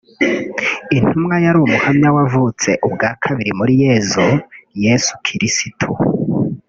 Intumwa yari umuhamya wavutse ubwa kabiri muri Yezu/Yesu Kirisitu